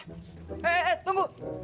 eh eh eh tunggu